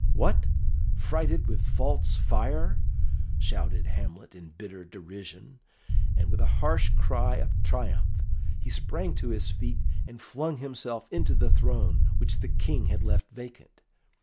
"What! Frighted with false fire!" shouted Hamlet in bitter derision, and with a harsh cry of triumph he sprang to his feet, and flung himself into the throne which the King had left vacant.